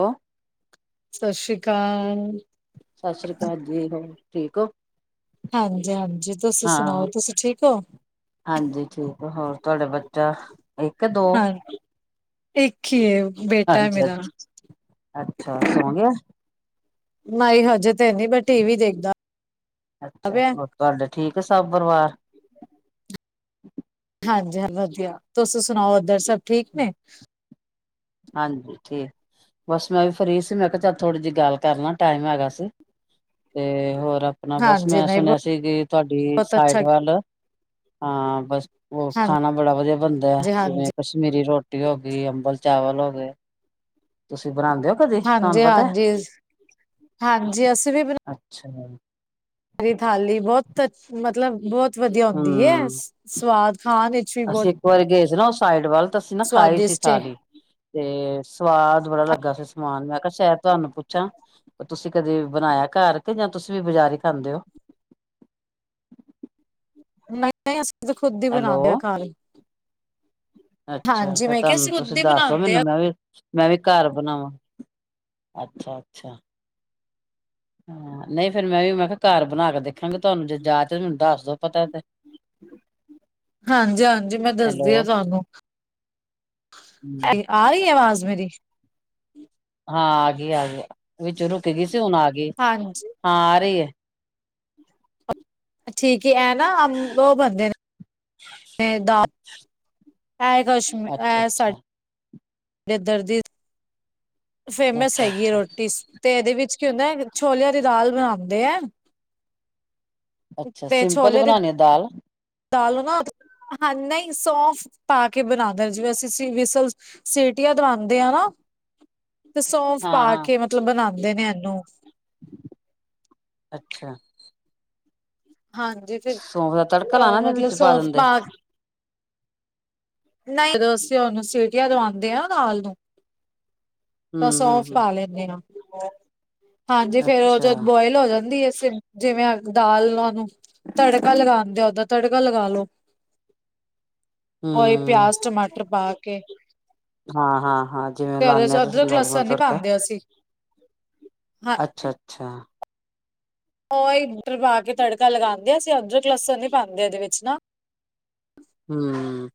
ਹੋਅ ਸਤਿ ਸ਼੍ਰੀ ਅਕਾਲ। ਸਤਿ ਸ਼੍ਰੀ ਅਕਾਲ ਜੀ ਹੋਰ ਠੀਕ ਹੋ? ਹਾਂਜੀ -ਹਾਂਜੀ ਤੁਸੀ ਹਾਂ ਸੁਣਾਓ ਤੁਸੀ ਠੀਕ ਹੋ। ਹਾਂਜੀ ਠੀਕ, ਹੋਰ ਤੁਹਾਡਾ ਬੱਚਾ ਇੱਕ ਕ ਦੋ? ਹਾਂ ਇੱਕ ਹੀ ਏ ਬੇਟਾ ਐ ਅੱਛਾ ਮੇਰਾ। ਅੱਛਾ ਅੱਛਾ ਸੌ ਗਿਆ ਨਈ ਹਜੇ ਤੇ ਨੀ ਬਟ ਟੀ ਵੀ ਦੇਖਦਾ ਅੱਛਾ ਪਿਆ। ਹੋਰ ਤੁਹਾਡੇ ਠੀਕ ਹੈ ਸਭ ਪਰਿਵਾਰ। ਹਾਂਜੀ ਹਾਂ ਵਧੀਆ, ਤੁਸੀ ਸੁਣਾਓ ਓਧਰ ਸਭ ਠੀਕ ਨੇ। ਹਾਂਜੀ ਠੀਕ, ਬਸ ਮੈਂ ਵੀ ਫਰੀ ਸੀ, ਮੈਂ ਕਿਹਾ ਚੱਲ ਥੋੜੀ ਜਿਹੀ ਗੱਲ ਕਰ ਲਾ ਟਾਈਮ ਹੈਗਾ ਸੀ। ਤੇ ਹੋਰ ਆਪਣਾ ਬਸ, ਹਾਂਜੀ ਮੈਂ ਨਹੀਂ ਸੁਣਿਆ ਸੀ ਕਿ ਤਾਡੀ ਬਹੁਤ ਸਾਈਡ ਅੱਛਾ ਵੱਲ ਹਾਂ ਬਸ, ਉਹ ਖਾਣਾ ਬੜਾ ਵਧੀਆ ਬਣਦਾ ਐ, ਹਾਂਜੀ-ਹਾਂਜੀ। ਜਿਵੇਂ ਕਸ਼ ਕਸ਼ਮੀਰੀ ਰੋਟੀ ਹੋ ਗਈ, ਅੰਬਲ ਚਾਵਲ ਹੋ ਗਏ। ਤੁਸੀਂ ਬਣਾਦੇ ਹੋ? ਕਦੇ ਹਾਂਜੀ ਤੁਹਾਨੂੰ ਪਤਾ -ਹਾਂਜੀ, ਹਾਂਜੀ ਅਸੀਂ ਵੀ ਬਣਾ ਅੱਛਾ। ਕਸ਼ਮੀਰੀ ਥਾਲੀ ਬੋਤ ਅਛ ਮਤਲਬ ਬੋਤ ਵੱਧੀਆ ਹੁੰਦੀ ਏ, ਹਮ ਸਵਾਦ ਖਾਣ ਵਿੱਚ। ਵੀ ਬਹੁਤ ਅਸੀਂ ਇੱਕ ਵਾਰੀ ਗਏ ਸੀ ਨਾ ਉਹ ਸਾਈਡ ਵੱਲ, ਤਾਂ ਅਸੀਂ ਨਾ ਖਾਈ ਸੀ ਸਵਾਦਿਸ਼ਟ ਏ। ਥਾਲੀ ਤੇ ਸਵਾਦ ਬੜਾ ਲੱਗਾ ਸੀ ਸਮਾਨ, ਮੈਂ ਕਿਹਾ ਸ਼ਾਇਦ ਤੁਹਾਨੂੰ ਪੁੱਛ ਛਾ, ਤੁਸੀ ਕਦੇ ਬਣਾਇਆ ਘਰ ਕੇ ਜਾਂ ਤੁਸੀ ਵੀ ਬਜ਼ਾਰ ਈ ਖਾਂਦੇ ਹੋ? ਨਈ -ਨਈ ਅਸੀ ਤਾ ਖੁੱਦ ਈ ਹੈਲੋ ਬਣਾਦੇ ਆ ਘਰ। ਅੱਛਾ ਹਾਂਜੀ ਫੇਰ ਮੈਂ ਕਿਹਾ ਤਾਨੂੰ ਅਸੀਂ ਤੁਸੀ ਖੁਦ ਹੀ ਦੱਸ ਦੋ ਬਣਾਉਂਦੇ ਆ ਮੈਨੂੰ ਮੈਂ ਵੀ ਮੈਂ ਵੀ ਘਰ ਬਣਾਵਾ। ਅੱਛਾ -ਅੱਛਾ ਹਾ ਨਈ ਫੇਰ ਮੈਂ ਵੀ ਮੈਂ ਕਿਹਾ ਘਰ ਬਣਾ ਕੇ ਦੇਖਾਂਗੀ, ਤੁਹਾਨੂੰ ਜੇ ਜਾਚ ਏ ਮੈਨੂੰ ਦੱਸ ਦੋ ਪਤਾ ਤੇ ਹਾਂਜੀ -ਹਾਂਜੀ ਮੈਂ ਹੈਲੋ ਦੱਸਦੀ ਆ ਤੁਹਾਨੂੰ ਆ ਰੀ ਆ ਆਵਾਜ਼ ਮੇਰੀ? ਹਾ ਆ ਗਈ- ਆ ਗਈ ਆ ਵਿੱਚੋਂ ਰੁਕ ਗਈ ਸੀ, ਹੁਣ ਆ ਗਈ ਆ, ਹਾਂਜੀ ਹਾ ਆ ਰਹੀ ਐ। ਠੀਕ ਏ ਐ ਨਾ, ਓਹ ਬਣਦੇ ਨੇ ਏ ਦਾ ਐਹ ਕਸ਼ਮੀ ਅੱਛਾ ਐਹ ਸਾਡ ਅੱਛਾ ਸਾਡੇ ਏਧਰ ਦੀ ਫੇਮਸ ਅੱਛਾ ਹੈਗੀ ਐ ਅੱਛਾ ਰੋਟੀ ਸ, ਤੇ ਏਹਦੇ ਵਿੱਚ ਕੀ ਹੁੰਦਾ ਛੋਲੇਆਂ ਦੀ ਦਾਲ ਬਣਾਦੇ ਐ ਅੱਛਾ, ਸਿੰਪਲ ਬਣਾਨੀ ਆ ਦਾਲ ਦਾਲੋ ਨਾ, ਹਾ ਨਹੀਂ ਸੋਫ ਪਾ ਕੇ ਬਣਾਦੇ ਆ, ਜਿਵੇ ਅਸੀ ਸੀ ਵੀਸਲ ਸੀਟੀਆਂ ਦਵਾਂਦੇ ਆ ਨਾ, ਤੇ ਸੌਫ ਹਾਂ ਪਾ ਹਾਂ ਕੇ ਮਤਲਬ ਬਣਾਦੇ ਨੇ ਏਹਨੂੰ ਅੱਛਾ। ਹਾਂਜੀ ਫਿਰ ਸੌਂਫ ਦਾ ਤੜਕਾ ਅ ਲਾਣਾ ਜਾਂ ਮਤਲਬ ਵਿੱਚ ਸੋਫ ਦਿੰਦੇ ਪਾ ਕ ਨਈ, ਜਦੋਂ ਅਸੀਂ ਓਹਨੂੰ ਸੀਟੀਆਂ ਦਵਾਦੇ ਹਾਂ ਨਾ ਦਾਲ ਨੂੰ, ਤਾਂ ਸੌਫ ਹੂੰ-ਹੂੰ-ਹੂੰ ਪਾ ਲੇ ਹਾਂਜੀ ਫੇਰ ਓਹ ਅੱਛਾ ਜਦ ਬੋਏਲ ਹੋ ਜਾਂਦੀ ਏ ਸੀਮ ਜਿਵੇਂ ਆ ਦਾਲਾ ਨੂੰ ਤੜਕਾ ਲਗਾਦੇ ਓ, ਉਦਾ ਤੜਕਾ ਲਗਾ ਲਓ।। ਹਮ। ਪਿਆਜ਼, ਟਮਾਟਰ ਪਾ ਕੇ। ਹਾਂ-ਹਾਂ-ਹਾਂ ਜਿਵੇਂ ਤੇ ਉਹਦੇ ਲਾਂਨੇ ਓ ਚ ਤੁਸੀਂ ਅਦਰਕ ਨੋਰਮਲ ਲਸਣ ਨੀ ਤੜਕਾ। ਪਾਉਂਦੇ ਅਸੀਂ ਹਾਂ ਅੱਛਾ-ਅੱਛਾ। ਓਹ ਏਟਰ ਪਾ ਕੇ ਤੜਕਾ ਲਗਾਂਦੇ ਆ, ਅਸੀਂ ਅੱਦਰਕ ਲੱਸਣ ਨਈ ਪਾਂਦੇ ਇਹਦੇ ਵਿੱਚ ਨਾ। ਹੂੰ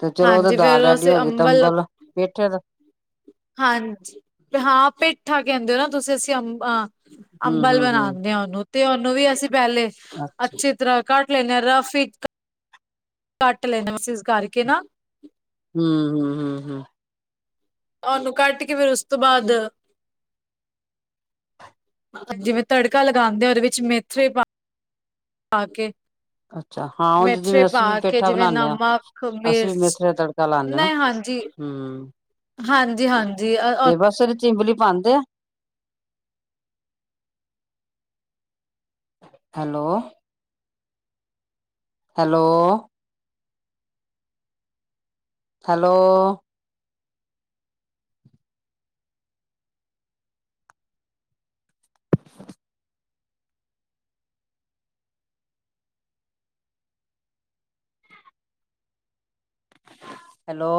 'ਤੇ ਚਲੋ ਉਹ ਤੇ ਹਾਂਜੀ ਦਾਲ ਫੇਰ ਰੈਡੀ ਅਸੀਂ ਹੋ ਗਈ ਅੰਬਲ ਤੰਬਲ ਪੇਠਿਆਂ ਦਾ। ਹਾਂਜੀ ਹਾਂ ਪੇਂਠਾ ਕਹਿੰਦੇ ਓ ਨਾ ਤੁਸੀਂ ਅਸੀਂ ਅੰਮ ਅ ਅੰਬਲ ਹੂੰ-ਹੂੰ-ਹੂੰ ਬਣਾਂਦੇ ਆ ਉਹਨੂੰ 'ਤੇ ਉਹਨੂੰ ਵੀ ਅਸੀਂ ਪਹਿਲੇ ਅੱਛਾ ਅੱਛੇ ਤਰ੍ਹਾਂ ਕੱਟ ਲੈਂਨੇ ਆ ਰਫ ਈ, ਕੱਟ ਲੈਂਨੇ ਮੀਸੀਜ਼ ਕਰਕੇ ਨਾ। ਹੂੰ ਹੂੰ ਹੂੰ ਹੂੰ। ਉਹਨੂੰ ਕੱਟ ਕੇ ਫੇਰ ਉਸ ਤੋਂ ਬਾਅਦ ਜਿਵੇਂ ਤੜਕਾ ਲਗਾਂਦੇ ਆ ਉਹਦੇ ਵਿੱਚ ਮੇਥਰੇ ਪਾ, ਪਾ ਕੇ। ਅੱਛਾ ਹਾਂ ਉਂਜ ਮੇਥਰੇ ਜਿਵੇਂ ਪਾ ਅਸੀਂ ਵੀ ਕੇ ਪੇਂਠਾ ਜਿਵੇਂ ਬਣਾਨੇ ਆ, ਨਮਕ ਅਸੀਂ ਵੀ ਮਿਰਚ ਮੇਥਰੇ ਤੜ ਕਾ ਲਾਨੇ ਆ ਨਾ, ਹੂੰ। ਹਾਂਜੀ-ਹਾਂਜੀ ਅ ਤੇ ਬਸ ਇਹਦੇ 'ਚ ਇਮਬਲੀ ਪਾਂਦੇ ਆ। Hello hello hello [inaudible] hello